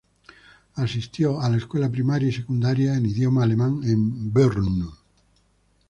Asistió a la escuela primaria y secundaria en idioma alemán en Brno.